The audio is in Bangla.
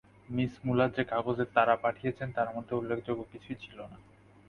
মিস মূলার যে কাগজের তাড়া পাঠিয়েছেন, তার মধ্যে উল্লেখযোগ্য কিছুই ছিল না।